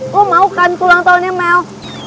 lo mau kan tulang tahunnya mel